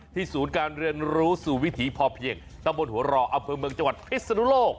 ศูนย์การเรียนรู้สู่วิถีพอเพียงตำบลหัวรออำเภอเมืองจังหวัดพิศนุโลก